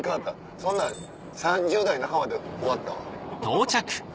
そんなん３０代半ばで終わったわ。